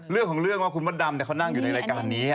เรื่องของเรื่องว่าคุณมดดำเขานั่งอยู่ในรายการนี้